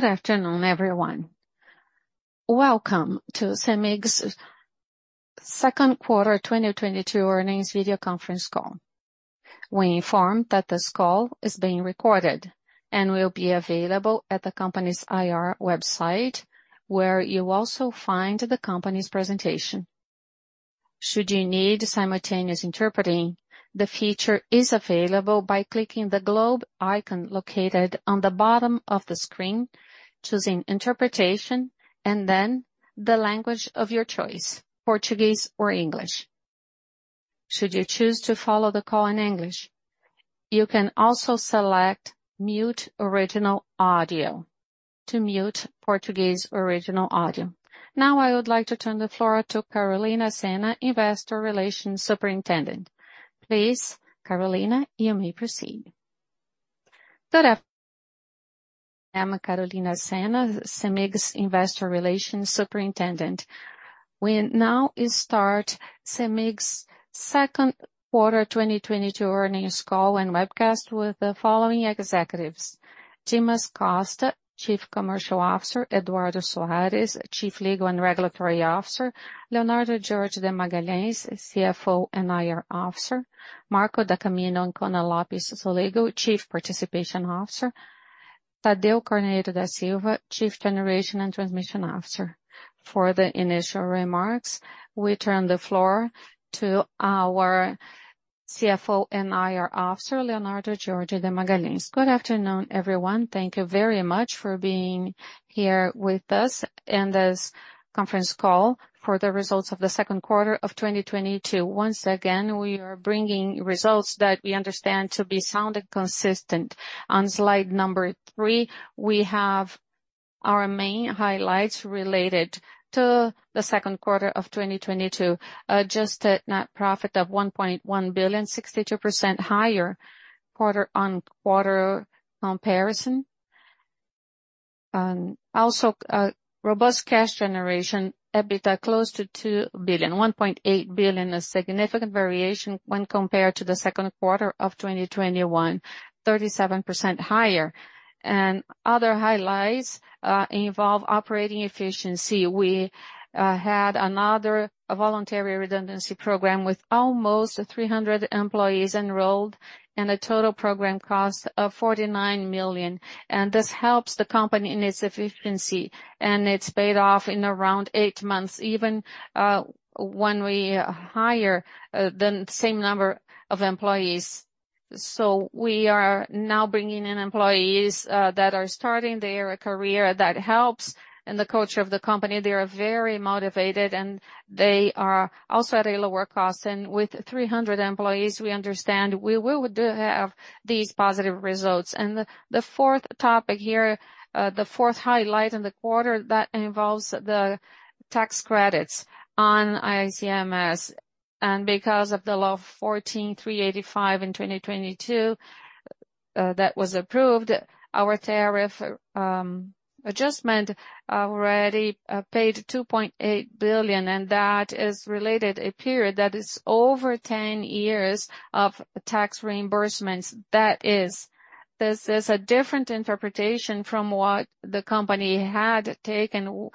Good afternoon, everyone. Welcome to CEMIG Second Quarter 2022 Earnings Video Conference Call. We inform that this call is being recorded and will be available at the company's IR website, where you'll also find the company's presentation. Should you need simultaneous interpreting, the feature is available by clicking the globe icon located on the bottom of the screen, choosing Interpretation, and then the language of your choice, Portuguese or English. Should you choose to follow the call in English, you can also select Mute Original Audio to mute Portuguese original audio. Now, I would like to turn the floor to Carolina Senna, Investor Relations Superintendent. Please, Carolina, you may proceed. I'm Carolina Senna, Cemig's Investor Relations Superintendent. We now start Cemig's second quarter 2022 earnings call and webcast with the following executives: Dimas Costa, Chief Commercial Officer. Eduardo Soares, Chief Legal and Regulatory Officer. Leonardo George de Magalhães, CFO and IR Officer. Marco da Camino Ancona Lopez Soligo, Vice President of Generation and Transmission. Thadeu Carneiro da Silva, Chief Generation and Transmission Officer. For the initial remarks, we turn the floor to our CFO and IR Officer, Leonardo George de Magalhães. Good afternoon, everyone. Thank you very much for being here with us in this conference call for the results of the second quarter of 2022. Once again, we are bringing results that we understand to be sound and consistent. On slide number three, we have our main highlights related to the second quarter of 2022. Adjusted net profit of 1.1 billion, 62% higher quarter-on-quarter comparison. Also, robust cash generation, EBITDA close to 2 billion, 1.8 billion, a significant variation when compared to the second quarter of 2021, 37% higher. Other highlights involve operating efficiency. We had another voluntary redundancy program with almost 300 employees enrolled and a total program cost of 49 million. This helps the company in its efficiency, and it's paid off in around 8 months, even when we hire the same number of employees. We are now bringing in employees that are starting their career. That helps in the culture of the company. They are very motivated, and they are also at a lower cost. With 300 employees, we understand we will do have these positive results. The fourth topic here, the fourth highlight in the quarter, that involves the tax credits on ICMS. Because of the Lei 14.385/2022 that was approved, our tariff adjustment already paid 2.8 billion, and that is related to a period that is over ten years of tax reimbursements. That is, this is a different interpretation from what the company had taken.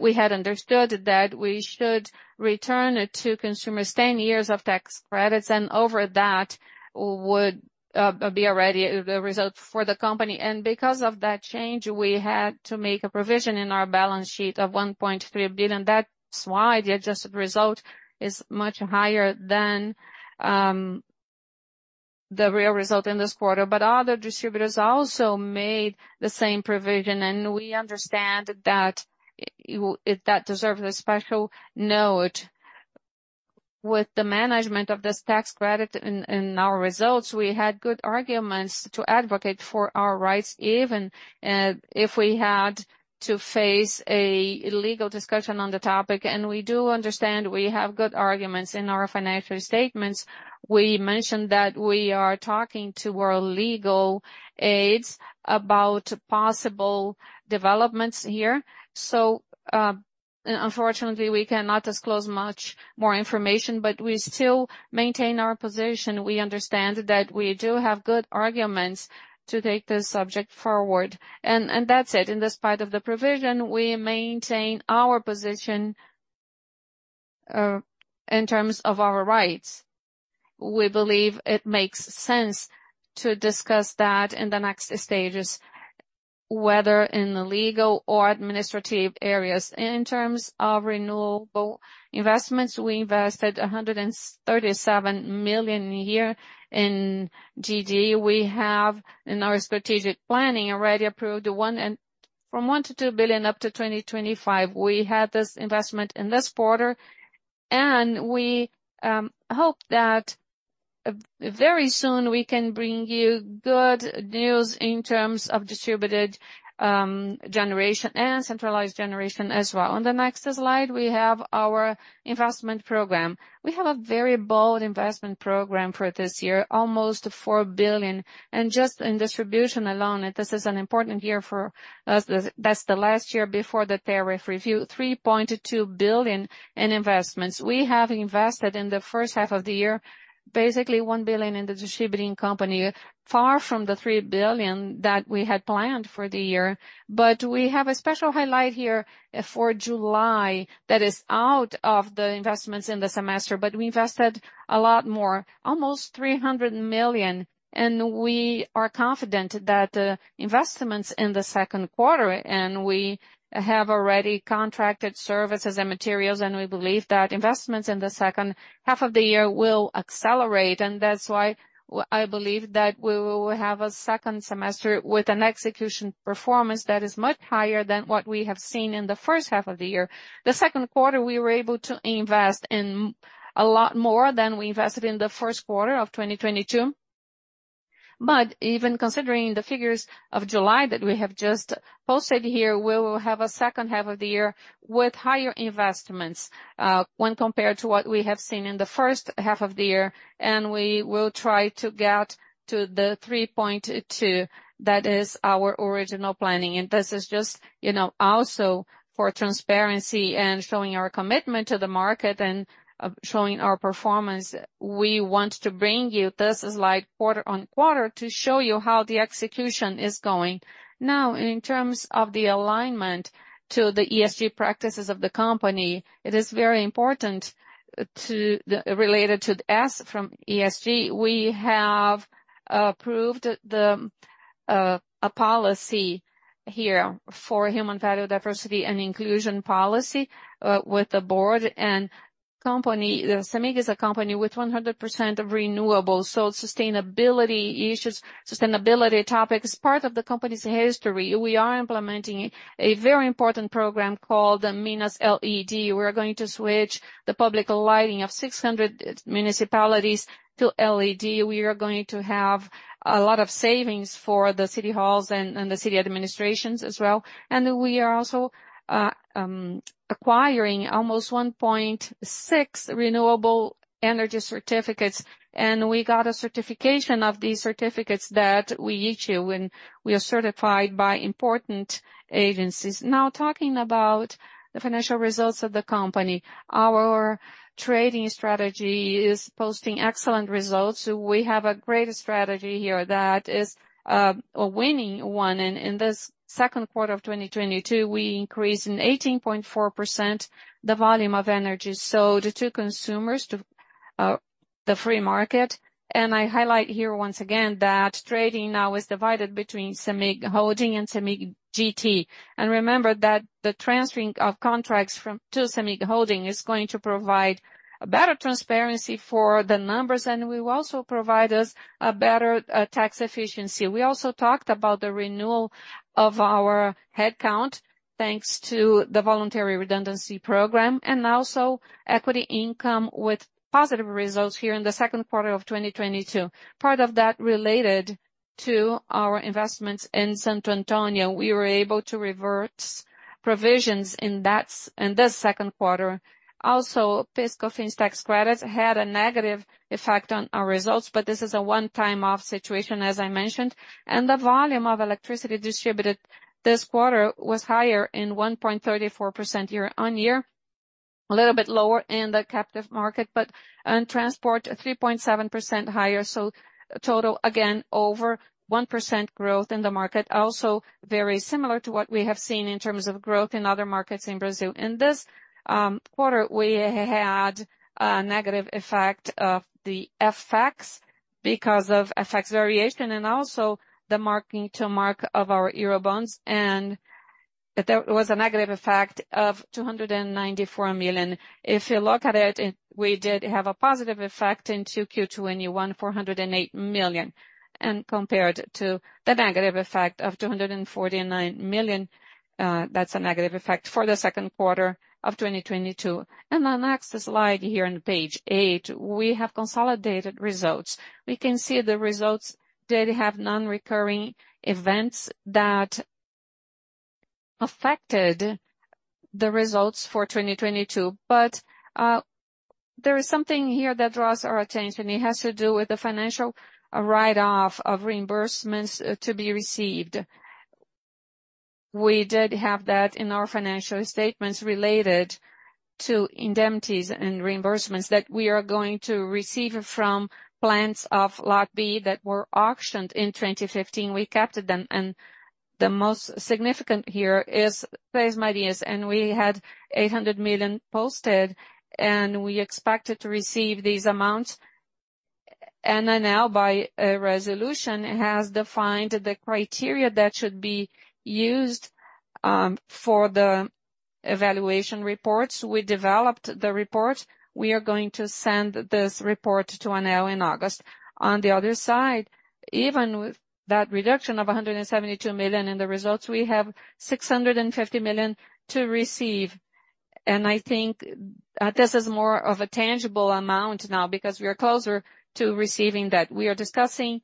We had understood that we should return to consumers ten years of tax credits and over that would be already the result for the company. Because of that change, we had to make a provision in our balance sheet of 1.3 billion. That's why the adjusted result is much higher than the real result in this quarter. Other distributors also made the same provision, and we understand that that deserves a special note. With the management of this tax credit in our results, we had good arguments to advocate for our rights, even if we had to face a legal discussion on the topic, and we do understand we have good arguments. In our financial statements, we mentioned that we are talking to our legal advisors about possible developments here. Unfortunately, we cannot disclose much more information, but we still maintain our position. We understand that we do have good arguments to take this subject forward. That said, in spite of the provision, we maintain our position in terms of our rights. We believe it makes sense to discuss that in the next stages, whether in the legal or administrative areas. In terms of renewable investments, we invested 137 million a year in GD. We have in our strategic planning already approved from 1 billion-2 billion up to 2025. We had this investment in this quarter, and we hope that very soon we can bring you good news in terms of distributed generation and centralized generation as well. On the next slide, we have our investment program. We have a very bold investment program for this year, almost 4 billion. Just in distribution alone, this is an important year for us. That's the last year before the tariff review, 3.2 billion in investments. We have invested in the first half of the year, basically 1 billion in the distribution company, far from the 3 billion that we had planned for the year. We have a special highlight here for July that is out of the investments in the semester. We invested a lot more, almost 300 million, and we are confident that investments in the second quarter, and we have already contracted services and materials, and we believe that investments in the second half of the year will accelerate. That's why I believe that we will have a second semester with an execution performance that is much higher than what we have seen in the first half of the year. The second quarter, we were able to invest in a lot more than we invested in the first quarter of 2022. Even considering the figures of July that we have just posted here, we will have a second half of the year with higher investments, when compared to what we have seen in the first half of the year. We will try to get to the 3.2. That is our original planning. This is just, you know, also for transparency and showing our commitment to the market and showing our performance. We want to bring you, this is like quarter-over-quarter, to show you how the execution is going. Now, in terms of the alignment to the ESG practices of the company, it is very important, related to the S from ESG, we have approved a policy here for human value diversity and inclusion policy with the board. Cemig is a company with 100% of renewables. Sustainability issues, sustainability topics, part of the company's history. We are implementing a very important program called the Minas LED. We are going to switch the public lighting of 600 municipalities to LED. We are going to have a lot of savings for the city halls and the city administrations as well. We are also acquiring almost 1.6 renewable energy certificates. We got a certification of these certificates that we issue, and we are certified by important agencies. Now, talking about the financial results of the company. Our trading strategy is posting excellent results. We have a great strategy here that is a winning one. In this second quarter of 2022, we increased by 18.4% the volume of energy sold to consumers in the free market. I highlight here once again that trading now is divided between Cemig Holding and Cemig GT. Remember that the transferring of contracts from, to Cemig Holding is going to provide a better transparency for the numbers, and will also provide us a better tax efficiency. We also talked about the renewal of our headcount, thanks to the voluntary redundancy program, and also equity income with positive results here in the second quarter of 2022. Part of that related to our investments in Santo Antonio. We were able to revert provisions in this second quarter. Also, PIS/Cofins tax credits had a negative effect on our results, but this is a one-time off situation, as I mentioned. The volume of electricity distributed this quarter was higher in 1.34% year on year. A little bit lower in the captive market, but and transport 3.7% higher. Total, again, over 1% growth in the market. Very similar to what we have seen in terms of growth in other markets in Brazil. In this quarter, we had a negative effect of the FX because of FX variation and also the mark-to-market of our Eurobonds, and there was a negative effect of 294 million. If you look at it, we did have a positive effect in 2Q 2021, 408 million. Compared to the negative effect of 249 million, that's a negative effect for the second quarter of 2022. On next slide here on page eight, we have consolidated results. We can see the results did have non-recurring events that affected the results for 2022. There is something here that draws our attention. It has to do with the financial write-off of reimbursements to be received. We did have that in our financial statements related to indemnities and reimbursements that we are going to receive from plants of Lot B that were auctioned in 2015. We kept them. The most significant here is Precos Medios, and we had 800 million posted, and we expected to receive these amounts. Then now by resolution, it has defined the criteria that should be used for the evaluation reports. We developed the report. We are going to send this report to ANEEL in August. On the other side, even with that reduction of 172 million in the results, we have 650 million to receive. I think this is more of a tangible amount now because we are closer to receiving that. We are discussing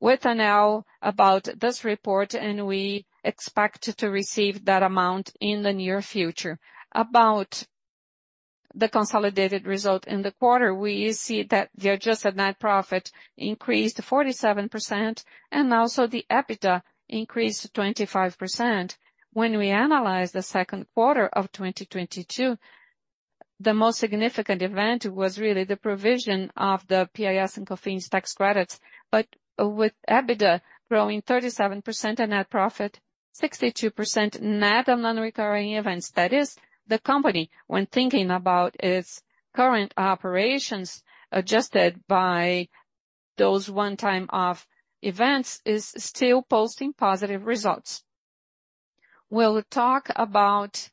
with ANEEL about this report, and we expect to receive that amount in the near future. About the consolidated result in the quarter, we see that the adjusted net profit increased 47% and also the EBITDA increased 25%. When we analyze the second quarter of 2022, the most significant event was really the provision of the PIS and COFINS tax credits. With EBITDA growing 37% and net profit 62% net of non-recurring events, that is the company when thinking about its current operations adjusted by those one-time events is still posting positive results. We'll talk about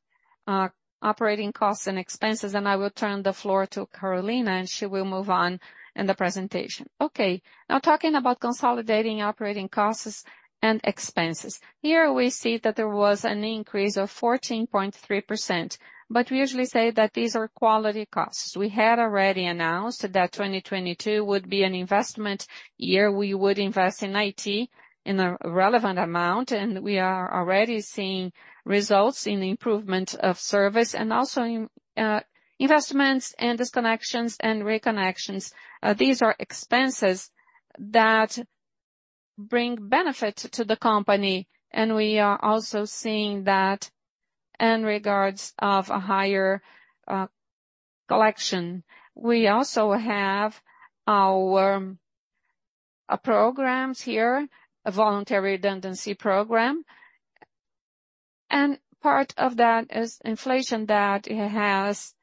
operating costs and expenses, and I will turn the floor to Carolina, and she will move on in the presentation. Okay. Now talking about consolidated operating costs and expenses. Here we see that there was an increase of 14.3%, but we usually say that these are quality costs. We had already announced that 2022 would be an investment year. We would invest in IT in a relevant amount, and we are already seeing results in improvement of service and also in investments and disconnections and reconnections. These are expenses that bring benefit to the company, and we are also seeing that in regards of a higher collection. We also have our programs here, a voluntary redundancy program. Part of that is inflation that has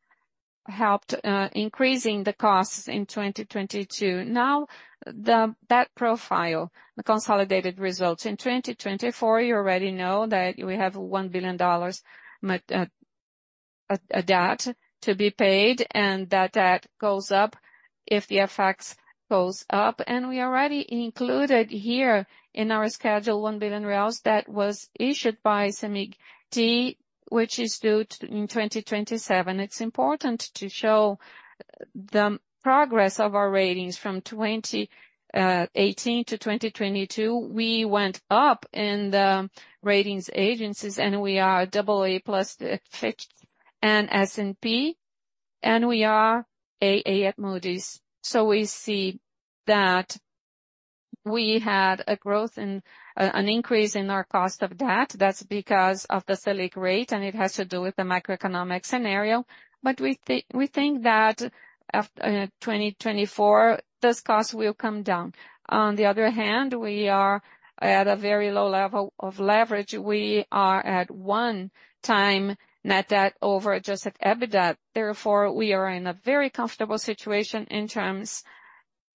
helped increasing the costs in 2022. Now, that profile, the consolidated results in 2024, you already know that we have $1 billion a debt to be paid and that goes up if the FX goes up. We already included here in our schedule 1 billion reais that was issued by Cemig D, which is due in 2027. It's important to show the progress of our ratings from 2018 to 2022. We went up in the rating agencies and we are AA+ at Fitch and S&P, and we are AA at Moody's. We see that we had an increase in our cost of debt. That's because of the Selic rate, and it has to do with the macro-economic scenario. We think that after 2024, this cost will come down. On the other hand, we are at a very low level of leverage. We are at 1x net debt over adjusted EBITDA. Therefore, we are in a very comfortable situation in terms of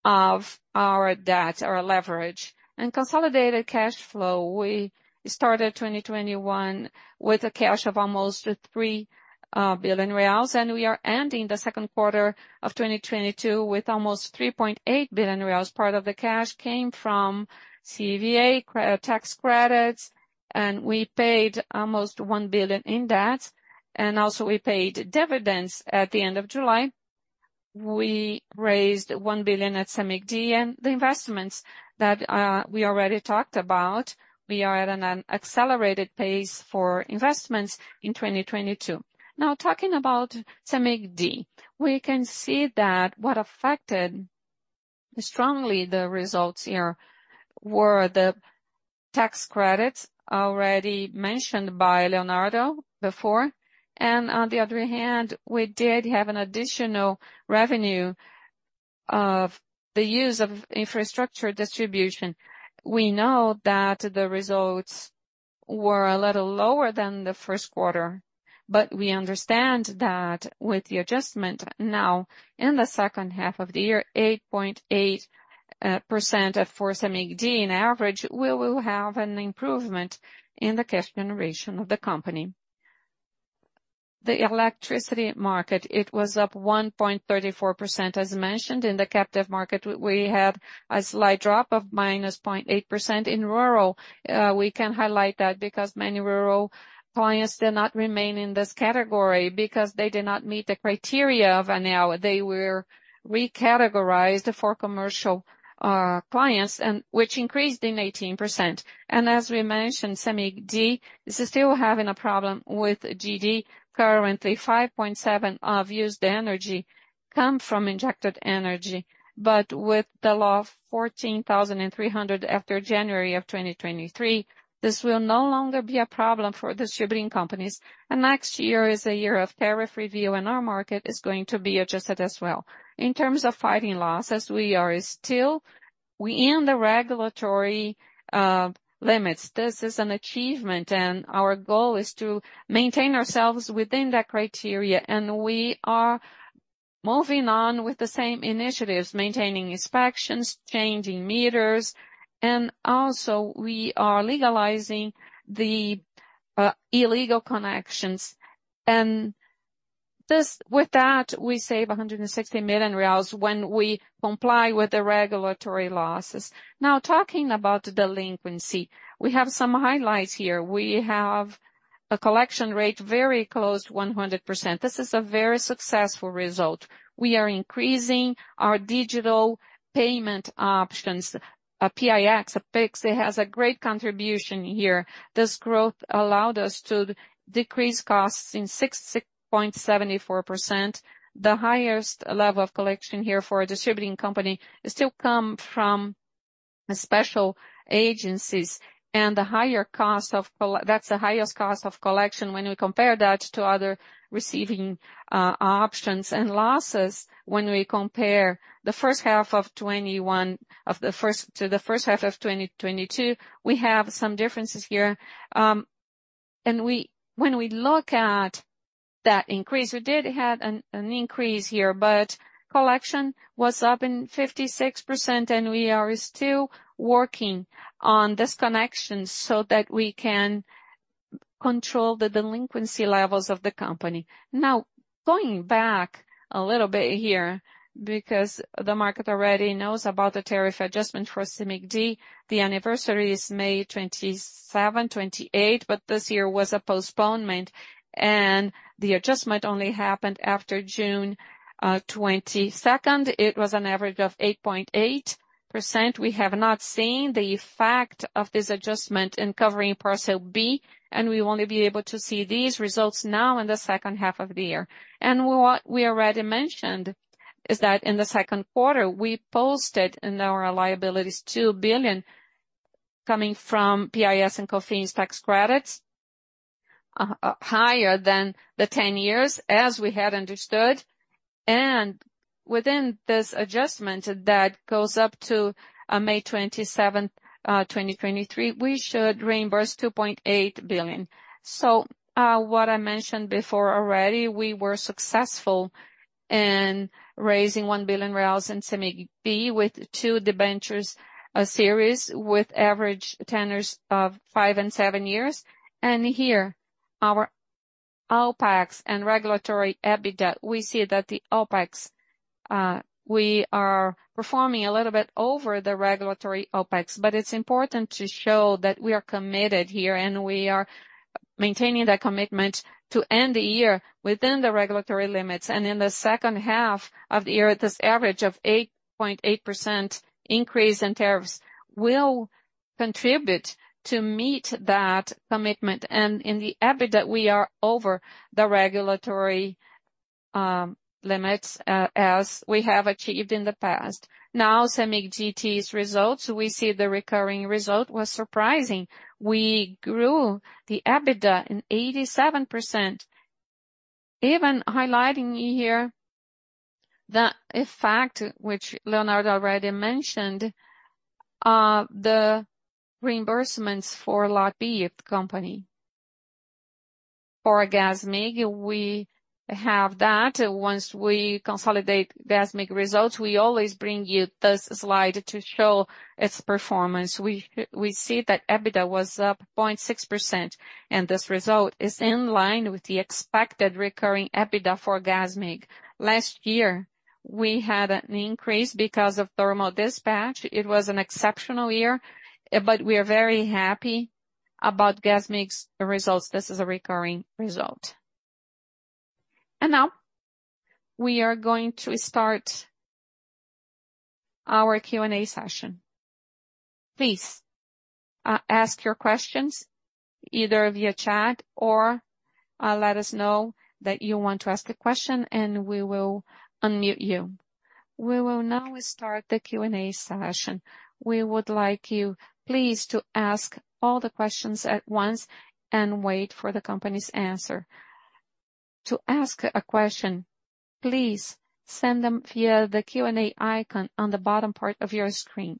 our debt or leverage. In consolidated cash flow, we started 2021 with a cash of almost 3 billion reais, and we are ending the second quarter of 2022 with almost 3.8 billion reais. Part of the cash came from CVA tax credits, and we paid almost 1 billion in debt. We also paid dividends at the end of July. We raised 1 billion at Cemig D and the investments that we already talked about. We are at an accelerated pace for investments in 2022. Now talking about Cemig D. We can see that what affected strongly the results here were the tax credits already mentioned by Leonardo before. On the other hand, we did have an additional revenue of the use of infrastructure distribution. We know that the results were a little lower than the first quarter, but we understand that with the adjustment now in the second half of the year, 8.8% for Cemig D on average, we will have an improvement in the cash generation of the company. The electricity market, it was up 1.34%. As mentioned in the captive market, we had a slight drop of -0.8% in rural. We can highlight that because many rural clients did not remain in this category because they did not meet the criteria of ANEEL. They were recategorized for commercial clients, which increased in 18%. As we mentioned, Cemig D is still having a problem with GD. Currently, 5.7% of used energy come from injected energy. With the law of 14,300 after January 2023, this will no longer be a problem for distributing companies. Next year is a year of tariff review, and our market is going to be adjusted as well. In terms of fighting loss, as we are still within the regulatory limits, this is an achievement, and our goal is to maintain ourselves within that criteria. We are moving on with the same initiatives, maintaining inspections, changing meters, and also we are legalizing the illegal connections. With that, we save 160 million reais when we comply with the regulatory losses. Now, talking about delinquency, we have some highlights here. We have a collection rate very close to 100%. This is a very successful result. We are increasing our digital payment options. PIX, it has a great contribution here. This growth allowed us to decrease costs in 6.74%. The highest level of collection here for a distribution company still come from special agencies. That's the highest cost of collection when we compare that to other receiving options and losses when we compare the first half of 2021 to the first half of 2022, we have some differences here. When we look at that increase, we did have an increase here, but collection was up in 56%, and we are still working on this collections so that we can control the delinquency levels of the company. Now, going back a little bit here, because the market already knows about the tariff adjustment for Cemig D. The anniversary is May 27, 28, but this year was a postponement, and the adjustment only happened after June 22. It was an average of 8.8%. We have not seen the effect of this adjustment in covering parcel B, and we will only be able to see these results now in the second half of the year. What we already mentioned is that in the second quarter, we posted in our liabilities 2 billion coming from PIS/COFINS tax credits, higher than the 10 years, as we had understood. Within this adjustment that goes up to May 27, 2023, we should reimburse 2.8 billion. What I mentioned before already, we were successful in raising 1 billion reais in Cemig D with two debentures series with average tenors of 5 and 7 years. Here, our OpEx and regulatory EBITDA, we see that the OpEx, we are performing a little bit over the regulatory OpEx. It's important to show that we are committed here, and we are maintaining that commitment to end the year within the regulatory limits. In the second half of the year, this average of 8.8% increase in tariffs will contribute to meet that commitment. In the EBITDA, we are over the regulatory limits, as we have achieved in the past. Now, Cemig D's results. We see the recurring result was surprising. We grew the EBITDA in 87%. Even highlighting here the effect which Leonardo already mentioned, the reimbursements for Lot B of the company. For Gasmig, we have that. Once we consolidate Gasmig results, we always bring you this slide to show its performance. We see that EBITDA was up 0.6%, and this result is in line with the expected recurring EBITDA for Gasmig. Last year, we had an increase because of thermal dispatch. It was an exceptional year, but we are very happy about Gasmig's results. This is a recurring result. Now we are going to start our Q&A session. Please ask your questions either via chat or let us know that you want to ask a question and we will unmute you. We will now start the Q&A session. We would like you, please, to ask all the questions at once and wait for the company's answer. To ask a question, please send them via the Q&A icon on the bottom part of your screen.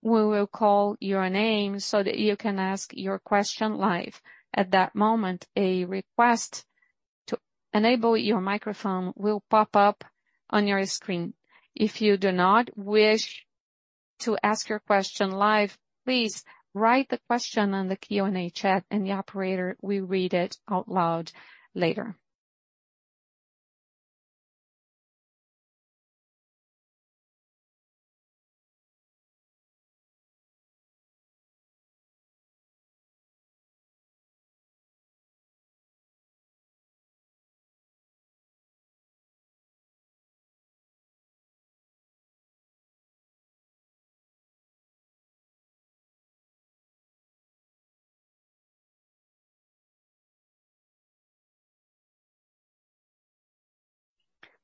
We will call your name so that you can ask your question live. At that moment, a request to enable your microphone will pop up on your screen. If you do not wish to ask your question live, please write the question on the Q&A chat and the operator will read it out loud later.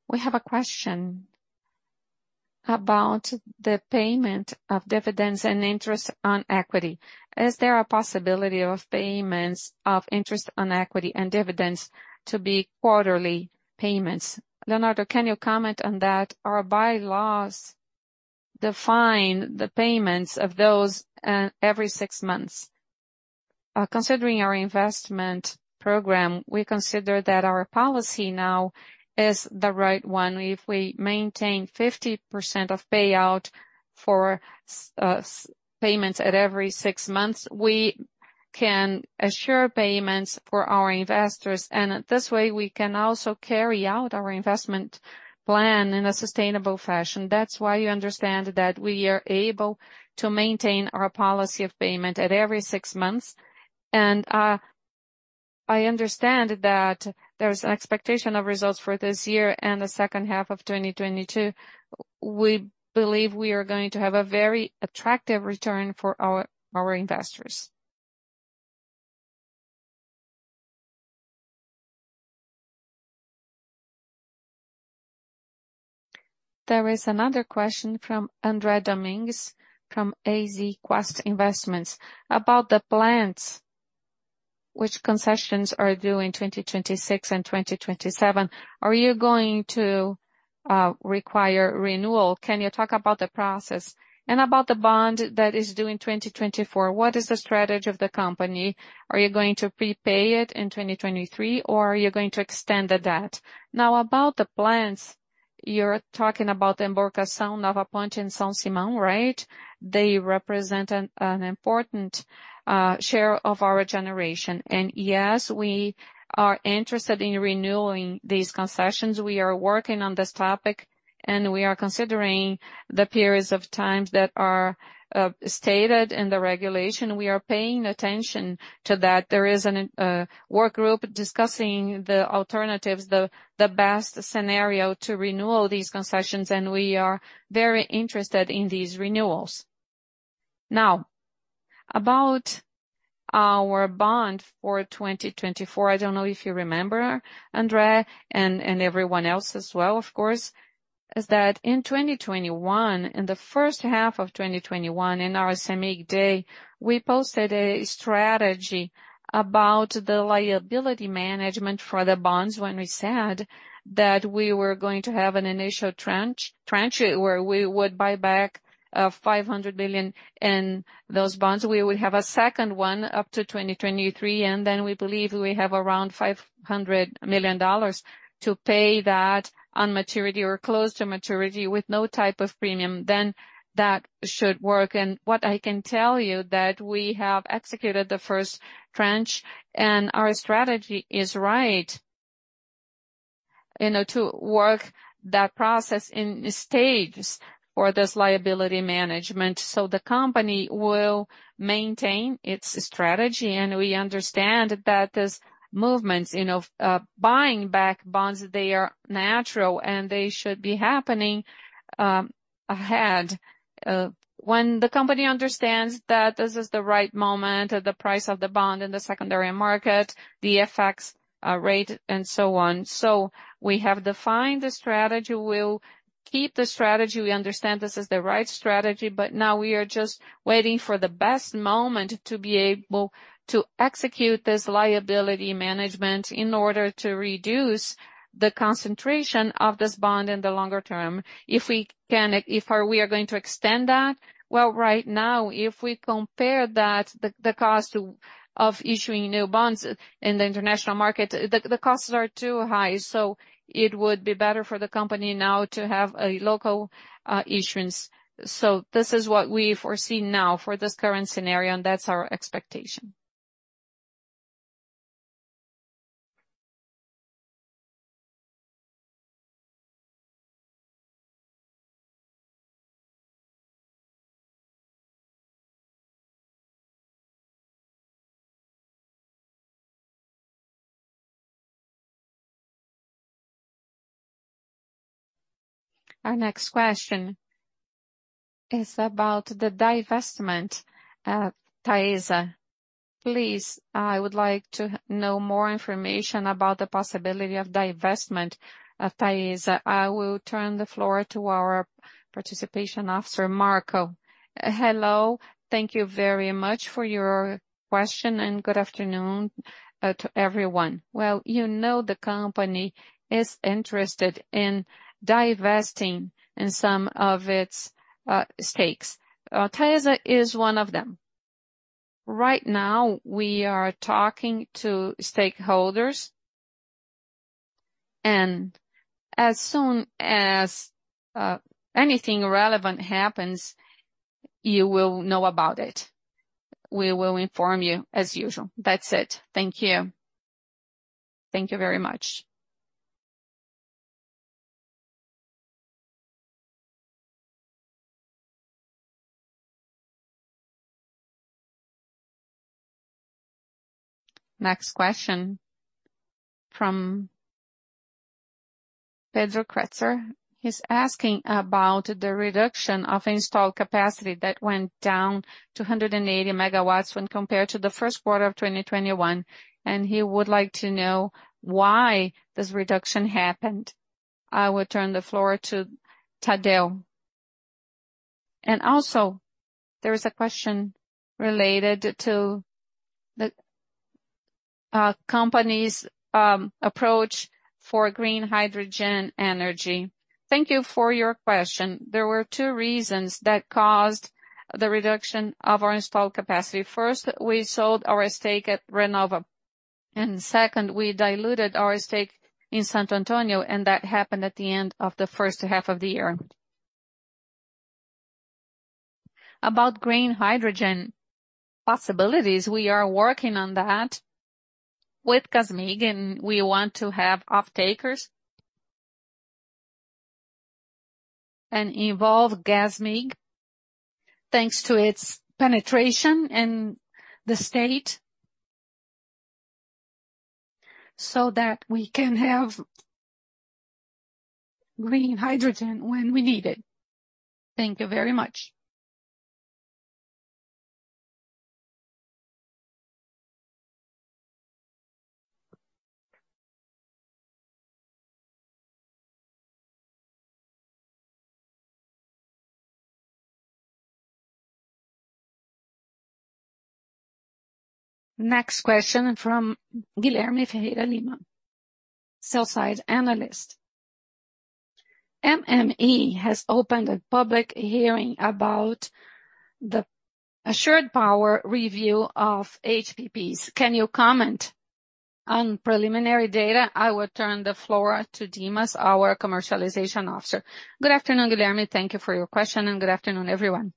We have a question about the payment of dividends and interest on equity. Is there a possibility of payments of interest on equity and dividends to be quarterly payments? Leonardo, can you comment on that? Our bylaws define the payments of those every six months. Considering our investment program, we consider that our policy now is the right one. If we maintain 50% of pay out for payments at every six months, we can assure payments for our investors, and this way we can also carry out our investment plan in a sustainable fashion. That's why you understand that we are able to maintain our policy of payment at every six months. I understand that there's an expectation of results for this year and the second half of 2022. We believe we are going to have a very attractive return for our investors. There is another question from André Domingues from AZ Quest about the plants which concessions are due in 2026 and 2027. Are you going to require renewal? Can you talk about the process and about the bond that is due in 2024? What is the strategy of the company? Are you going to prepay it in 2023, or are you going to extend the debt? Now, about the plants, you're talking about Embarcação, Nova Ponte, and São Simão, right? They represent an important share of our generation. Yes, we are interested in renewing these concessions. We are working on this topic, and we are considering the periods of times that are stated in the regulation. We are paying attention to that. There is a work group discussing the alternatives, the best scenario to renew all these concessions, and we are very interested in these renewals. Now, about our bond for 2024, I don't know if you remember, André, and everyone else as well, of course, it's that in 2021, in the first half of 2021, in our Cemig day, we posted a strategy about the liability management for the bonds when we said that we were going to have an initial tranche where we would buy back $500 million in those bonds. We would have a second one up to 2023, and then we believe we have around $500 million to pay that on maturity or close to maturity with no type of premium. That should work. What I can tell you that we have executed the first tranche and our strategy is right, you know, to work that process in stages for this liability management. The company will maintain its strategy, and we understand that these movements, you know, buying back bonds, they are natural, and they should be happening ahead, when the company understands that this is the right moment, the price of the bond in the secondary market, the FX rate, and so on. We have defined the strategy. We'll keep the strategy. We understand this is the right strategy, but now we are just waiting for the best moment to be able to execute this liability management in order to reduce the concentration of this bond in the longer term. If we are going to extend that, well, right now, if we compare that, the cost of issuing new bonds in the international market, the costs are too high, so it would be better for the company now to have a local issuance. This is what we foresee now for this current scenario, and that's our expectation. Our next question is about the divestment at Taesa. Please, I would like to know more information about the possibility of divestment at Taesa. I will turn the floor to our participation officer, Marco. Hello. Thank you very much for your question, and good afternoon to everyone. Well, you know the company is interested in divesting in some of its stakes. Taesa is one of them. Right now, we are talking to stakeholders. As soon as anything relevant happens, you will know about it. We will inform you as usual. That's it. Thank you. Thank you very much. Next question from Pedro Kretzer. He's asking about the reduction of installed capacity that went down to 180 megawatts when compared to the first quarter of 2021, and he would like to know why this reduction happened. I would turn the floor to Thadeu. There is a question related to the company's approach for green hydrogen energy. Thank you for your question. There were two reasons that caused the reduction of our installed capacity. First, we sold our stake at Renova. Second, we diluted our stake in Santo Antonio, and that happened at the end of the first half of the year. About green hydrogen possibilities, we are working on that with Gasmig, and we want to have off-takers. Involve Gasmig, thanks to its penetration in the state. That we can have green hydrogen when we need it. Thank you very much. Next question from Guilherme Ferreira Lima, sell-side analyst. MME has opened a public hearing about the assured power review of HPPs. Can you comment on preliminary data? I will turn the floor to Dimas Costa, our chief commercial officer. Good afternoon, Guilherme. Thank you for your question, and good afternoon, everyone.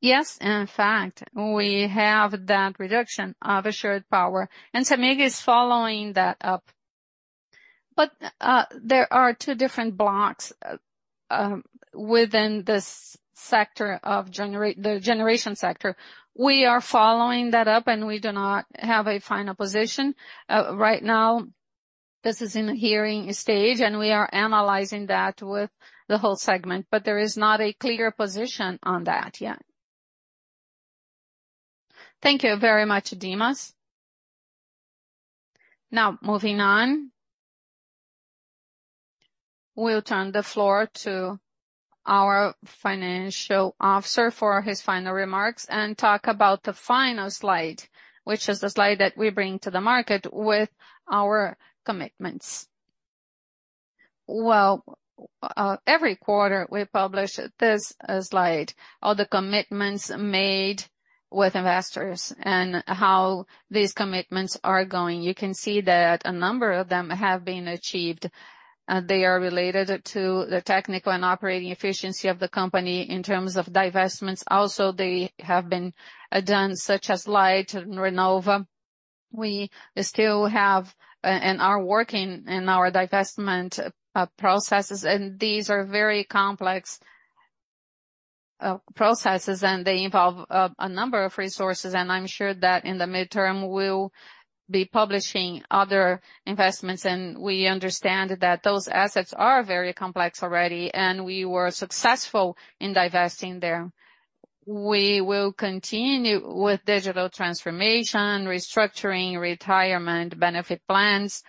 Yes, in fact, we have that reduction of assured power, and Cemig is following that up. There are two different blocks within this sector of the generation sector. We are following that up and we do not have a final position. Right now this is in the hearing stage, and we are analyzing that with the whole segment. There is not a clear position on that yet. Thank you very much, Dimas. Now, moving on. We'll turn the floor to our financial officer for his final remarks and talk about the final slide, which is the slide that we bring to the market with our commitments. Every quarter we publish this slide, all the commitments made with investors and how these commitments are going. You can see that a number of them have been achieved. They are related to the technical and operating efficiency of the company in terms of divestments. Also, they have been done such as Light and Renova. We still have and are working in our divestment processes, and these are very complex processes, and they involve a number of resources. I'm sure that in the midterm we'll be publishing other divestments. We understand that those assets are very complex already, and we were successful in divesting them. We will continue with digital transformation, restructuring retirement benefit plans.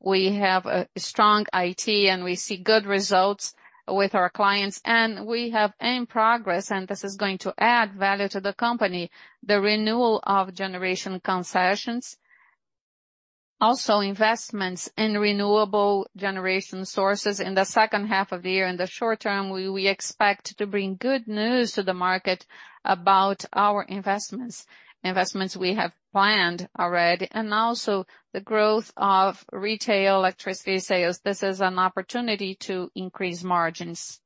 We have a strong IT and we see good results with our clients. We have in progress, and this is going to add value to the company, the renewal of generation concessions. Also, investments in renewable generation sources in the second half of the year. In the short term, we expect to bring good news to the market about our investments we have planned already. Also the growth of retail electricity sales. This is an opportunity to increase margins.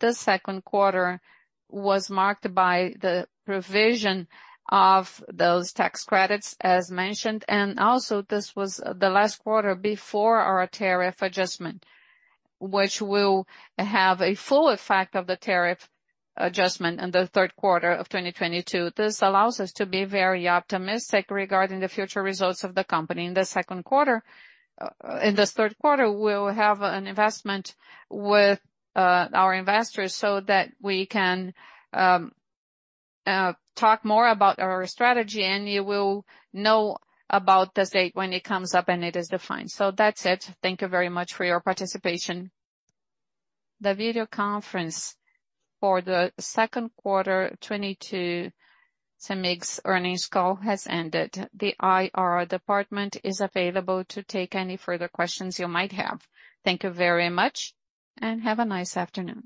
This second quarter was marked by the provision of those tax credits, as mentioned, and also this was the last quarter before our tariff adjustment, which will have a full effect of the tariff adjustment in the third quarter of 2022. This allows us to be very optimistic regarding the future results of the company. In this third quarter, we'll have an investment with our investors so that we can talk more about our strategy, and you will know about the date when it comes up and it is defined. That's it. Thank you very much for your participation. The Video Conference For The Second Quarter 2022 Cemig's Earnings Call has ended. The IR department is available to take any further questions you might have. Thank you very much, and have a nice afternoon.